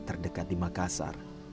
terdekat di makassar